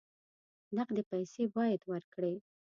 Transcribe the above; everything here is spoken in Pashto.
نقدې پیسې باید ورکړې.